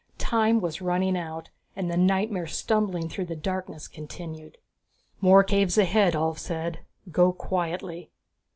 Time was running out and the nightmare stumbling through the darkness continued. "More caves ahead," Ulv said, "Go quietly."